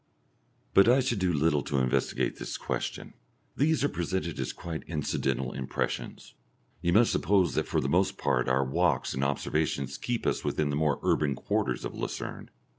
But I should do little to investigate this question; these are presented as quite incidental impressions. You must suppose that for the most part our walks and observations keep us within the more urban quarters of Lucerne.